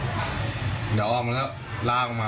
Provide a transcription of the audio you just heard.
แต่คนที่เบิ้ลเครื่องรถจักรยานยนต์แล้วเค้าก็ลากคนนั้นมาทำร้ายร่างกาย